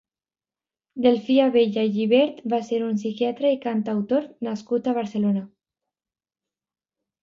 Delfí Abella i Gibert va ser un psiquiatra i cantautor nascut a Barcelona.